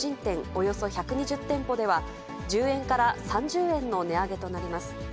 およそ１２０店舗では、１０円から３０円の値上げとなります。